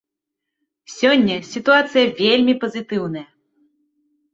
Сёння сітуацыя вельмі пазітыўная.